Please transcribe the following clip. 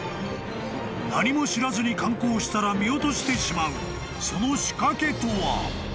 ［何も知らずに観光したら見落としてしまうその］